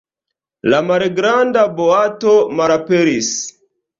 La malgranda boato malaperis!